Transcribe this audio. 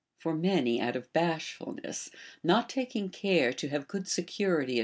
For many out of bashfulness, not taking, care to have good security at * Eurip.